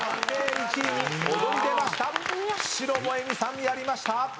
久代萌美さんやりました。